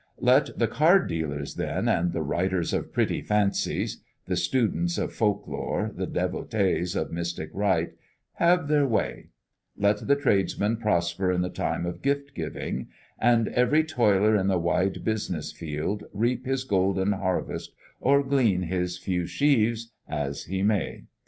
Let the card dealers, then, and the writers of pretty fancies the students of folk lore, the devotees of mystic rite have their way; let the tradesman prosper in the time of gift giving; and every toiler in the wide business field reap his golden harvest or glean his few sheaves, as he may.